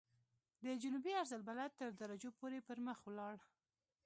د جنوبي عرض البلد تر درجو پورې پرمخ ولاړ.